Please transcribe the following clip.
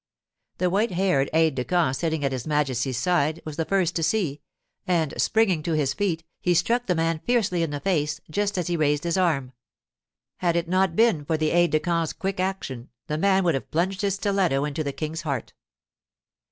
The white haired aide de camp sitting at his Majesty's side was the first to see, and springing to his feet, he struck the man fiercely in the face just as he raised his arm. Had it not been for the aide de camp's quick action, the man would have plunged his stiletto into the King's heart.